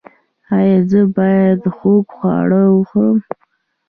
ایا زه باید خوږ خواړه وخورم؟